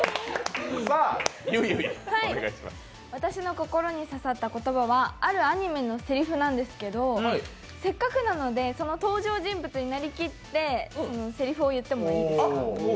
私の心に刺さった言葉はあるアニメのセリフなんですけどせっかくなのでその登場人物になりきってせりふを言ってもいいですか？